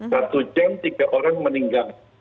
satu jam tiga orang meninggal